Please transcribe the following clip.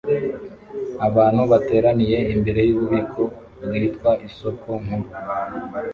Abantu bateraniye imbere yububiko bwitwa isoko nkuru